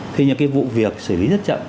thế nhưng cái vụ việc xử lý rất chậm